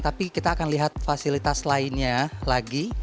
tapi kita akan lihat fasilitas lainnya lagi